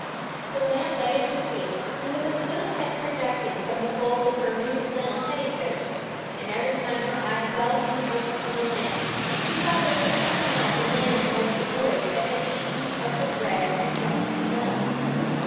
The lamb lay at her feet, with his little head projecting from the folds of her new flannel petticoat; and every time her eye fell from the book upon the lamb, she felt as if somehow the lamb was the boy that had eaten of her bread and drunk of her milk.